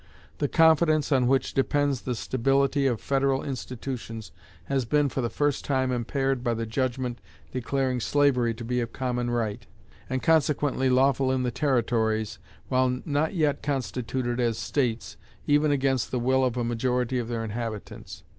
The confidence on which depends the stability of federal institutions has been for the first time impaired by the judgment declaring slavery to be of common right, and consequently lawful in the Territories while not yet constituted as states, even against the will of a majority of their inhabitants.